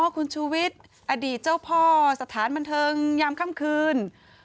คุณชูวิทย์อดีตเจ้าพ่อสถานบันเทิงยามค่ำคืน